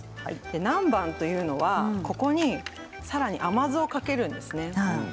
南蛮というのは、ここにさらに甘酢をかけるんですね。